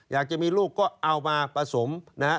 อยากจะมีลูกก็เอามาผสมนะฮะ